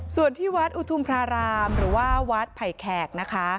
ส่วนที่วัดอุทุมพระรามหรือว่าวัดไผ่แขกนะคะ